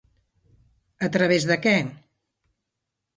A través de què?